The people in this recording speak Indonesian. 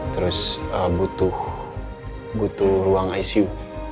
terus butuh ruang icu